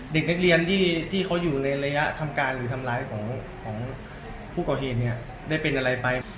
โปรดติดตามต่อไป